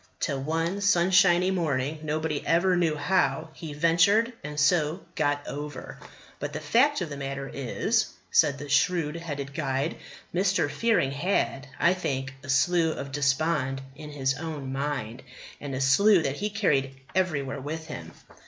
Till, one sunshiny morning, nobody ever knew how, he ventured, and so got over. But the fact of the matter is," said the shrewd headed guide, "Mr. Fearing had, I think, a slough of despond in his own mind; and a slough that he carried everywhere with him."